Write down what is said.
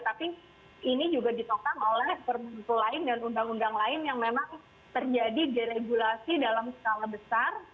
tapi ini juga ditopang oleh permenku lain dan undang undang lain yang memang terjadi deregulasi dalam skala besar